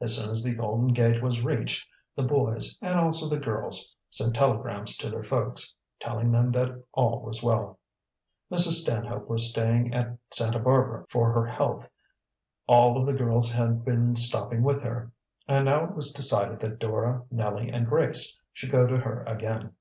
As soon as the Golden Gate was reached the boys, and also the girls, sent telegrams to their folks, telling them that all was well. Mrs. Stanhope was staying at Santa Barbara for her health. All of the girls had been stopping with her, and now it was decided that Dora, Nellie, and Grace should go to her again.